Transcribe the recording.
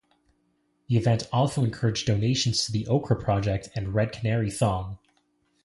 The event also encouraged donations to The Okra Project and Red Canary Song.